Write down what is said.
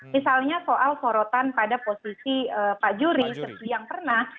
misalnya soal sorotan pada posisi pak juri yang pernah